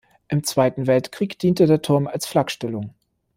Im Zweiten Weltkrieg diente der Turm als Flakstellung.